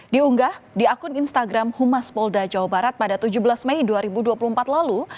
diunggah di akun instagram humas polda jawa barat pada tujuh belas mei dua ribu dua puluh empat lalu